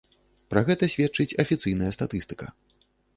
Пра гэта сведчыць афіцыйная статыстыка.